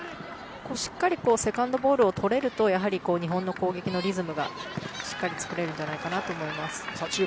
しっかりセカンドボールをとれると日本の攻撃のリズムがしっかり作れるんじゃないかなと思います。